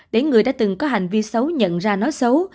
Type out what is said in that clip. để người đã từng có hành vi xấu nhận ra nói xấu